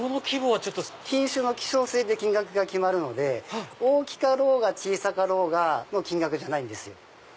品種の希少性で金額が決まるので大きい小さいの金額じゃないんですよ。